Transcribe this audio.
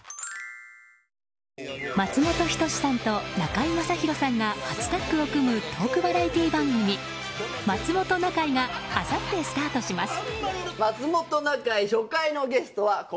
松本人志さんと中居正広さんが初タッグを組むトークバラエティー番組「まつもｔｏなかい」があさってスタートします。